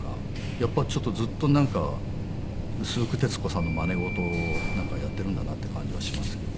やっぱりちょっとずっと薄く徹子さんのまね事をやっているんだなっていう感じはしますけど。